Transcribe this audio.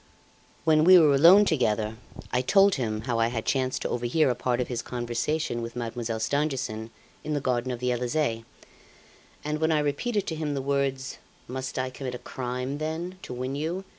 "When we were alone together, I told him how I had chanced to overhear a part of his conversation with Mademoiselle Stangerson in the garden of the Elysee; and when I repeated to him the words, 'Must I commit a crime, then, to win you?